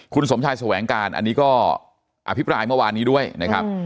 คุณสมชายแสวงการอันนี้ก็อภิปรายเมื่อวานนี้ด้วยนะครับ